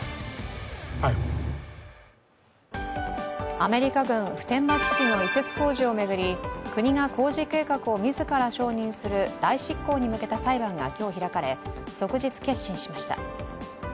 アメリカ軍普天間基地の移設工事を巡り国が工事計画を自ら承認する代執行に向けた裁判が今日開かれ、即日結審しました。